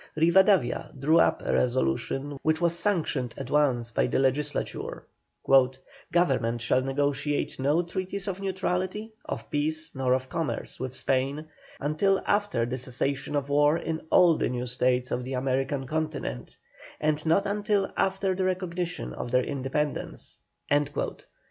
Rivadavia drew up a resolution which was sanctioned at once by the Legislature: "Government shall negotiate no treaties of neutrality, of peace, nor of commerce with Spain, until after the cessation of war in all the new States of the American Continent, and not until after the recognition of their independence."